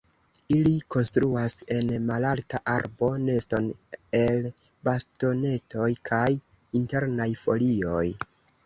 Ili konstruas en malalta arbo neston el bastonetoj kaj internaj folioj.